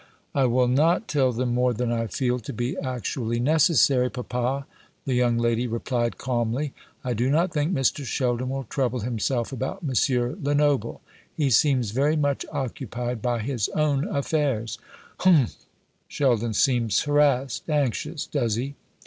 "I will not tell them more than I feel to be actually necessary, papa," the young lady replied calmly. "I do not think Mr. Sheldon will trouble himself about M. Lenoble. He seems very much occupied by his own affairs." "Humph! Sheldon seems harassed, anxious, does he?"